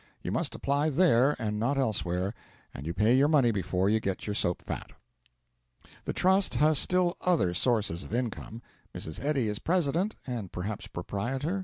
You must apply there, and not elsewhere; and you pay your money before you get your soap fat. The Trust has still other sources of income. Mrs. Eddy is president (and perhaps proprietor?)